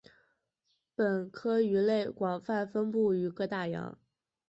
本科鱼类广泛分布于各大洋。